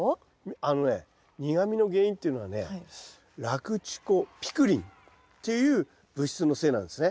あのね苦みの原因っていうのはねラクチュコピクリンっていう物質のせいなんですね。